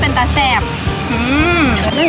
โอ้เป็นตาแจียบ